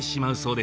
で